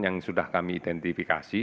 yang sudah kami identifikasi